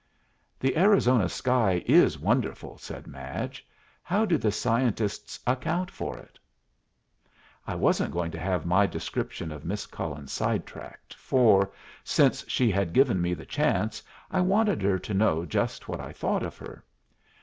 "The Arizona sky is wonderful," said Madge. "How do the scientists account for it?" I wasn't going to have my description of Miss Cullen side tracked, for, since she had given me the chance, I wanted her to know just what I thought of her.